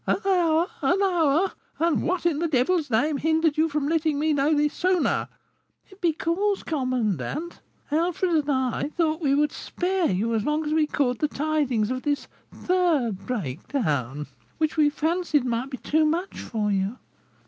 'An hour! an hour! and what, in the devil's name, hindered you from letting me know this sooner?' 'Because, commandant, Alfred and I thought we would spare you as long as we could the tidings of this third breakdown, which we fancied might be too much for you.'